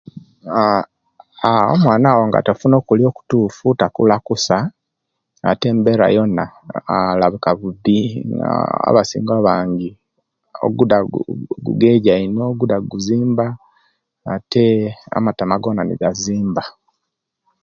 Aah omwana wo nga tafuna okulya okutufu takula kusa ate embera yona ahh alabika bubi na abasinga abangi oguda gu gu gugeja ino nga guzimba ate amatama gona negazimba